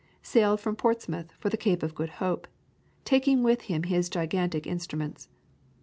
sailed from Portsmouth for the Cape of Good Hope, taking with him his gigantic instruments.